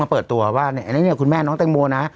มาเผิดตัวคุณแม่น้องแต้งโมนนะ